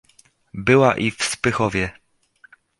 "Była i w Spychowie."